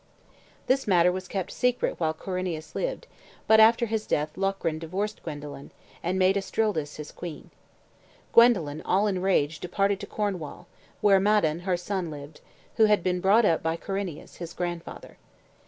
This matter was kept secret while Corineus lived, but after his death Locrine divorced Guendolen, and made Estrildis his queen. Guendolen, all in rage, departed to Cornwall, where Madan, her son, lived, who had been brought up by Corineus, his grandfather.